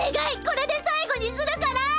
これで最後にするから！